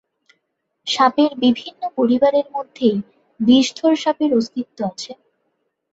সাপের বিভিন্ন পরিবারের মধ্যেই বিষধর সাপের অস্তিত্ব আছে।